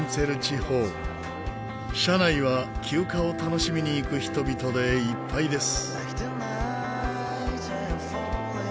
車内は休暇を楽しみにいく人々でいっぱいです。